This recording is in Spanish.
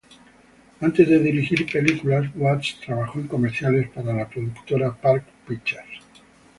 Antes de dirigir películas, Watts trabajó en comerciales para la productora "Park Pictures".